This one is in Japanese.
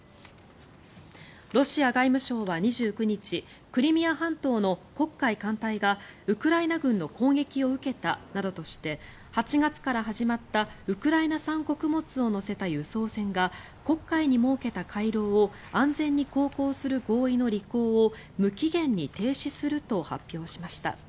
ロシア外務省は２９日クリミア半島の黒海艦隊がウクライナ軍の攻撃を受けたなどとして８月から始まったウクライナ産穀物を載せた輸送船が黒海に設けた回廊を安全に航行する合意の履行を無期限に停止すると発表しました。